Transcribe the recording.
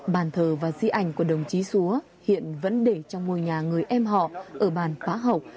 bàn thờ và di ảnh của đồng chí xúa hiện vẫn để trong ngôi nhà người em họ ở bản pá hộc